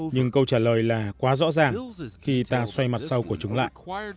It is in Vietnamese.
nhưng câu trả lời là quá rõ ràng khi ta xoay mặt sau của chúng lại